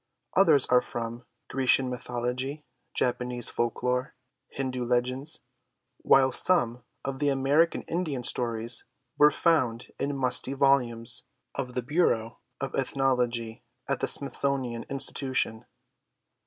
Others are from Grecian mythology, Japanese folk lore, Hindoo legends, while some of the American Indian stories were found in musty volumes of the Bureau of Ethnology at the Smithsonian Institution.